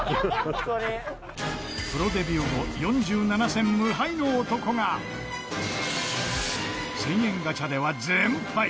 プロデビュー後４７戦無敗の男が１０００円ガチャでは全敗！